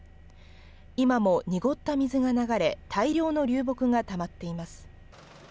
今も濁った水が流れ、大量の流木がたまっています。